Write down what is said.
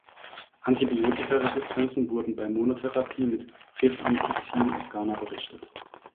Antibiotikaresistenzen wurden bei Monotherapie mit Rifampicin aus Ghana berichtet.